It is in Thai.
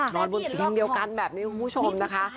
นอนบนเตียงเดียวกันแบบนี้คุณผู้ชมนะคะ